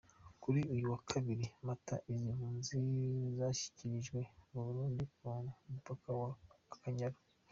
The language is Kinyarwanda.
Kuri uyu wa Kabiri Mata, izi mpunzi zashyikirijwe u Burundi ku mupaka wa Akanyaru.